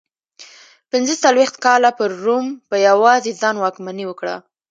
پنځه څلوېښت کاله پر روم په یوازې ځان واکمني وکړه.